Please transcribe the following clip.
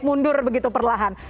mundur begitu perlahan